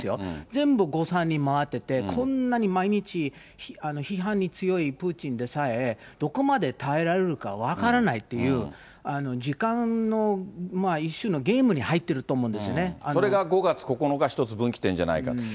全部、誤算に回ってて、こんなに毎日批判に強いプーチンでさえ、どこまで耐えられるか分からないっていう、時間の一種のゲームにそれが５月９日、一つ分岐点じゃないか。